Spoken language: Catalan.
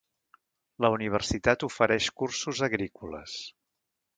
La universitat ofereix cursos agrícoles.